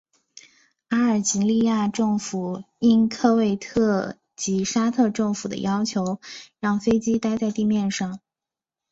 阿尔及利亚政府应科威特及沙特政府的要求让飞机待在地面上。